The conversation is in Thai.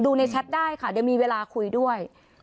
ในแชทได้ค่ะเดี๋ยวมีเวลาคุยด้วย